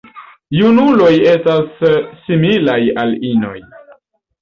Junuloj estas similaj al inoj.